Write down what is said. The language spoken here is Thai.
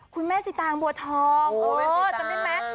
คุณแม่สิตางบัวทองจำได้ไหม